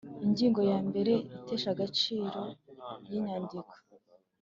Ingingo ya mbere Iteshagaciro ry inyandiko